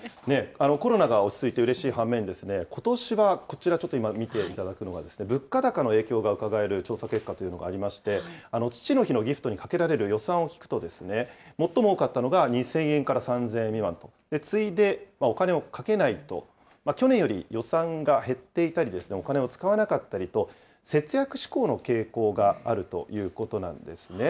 コロナが落ち着いてうれしい半面、ことしは、こちら、ちょっと今、見ていただくのが、物価高の影響がうかがえる調査結果というのがありまして、父の日のギフトに掛けられる予算を聞くと、最も多かったのが２０００円から３０００円未満と。次いでお金をかけないと、去年より予算が減っていたりですね、お金を使わなかったりと、節約志向の傾向があるということなんですね。